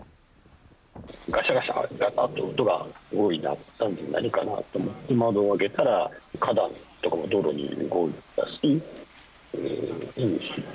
がしゃがしゃっと音が鳴ったんで、何かなと思って、窓を開けたら、花壇とかが道路に動いてまして。